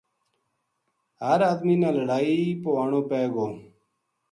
ہر آدمی نا لڑائی پو آنو پے گو